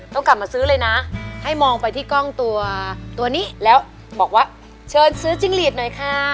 ต้องกลับมาซื้อเลยนะให้มองไปที่กล้องตัวตัวนี้แล้วบอกว่าเชิญซื้อจิ้งหลีดหน่อยค่ะ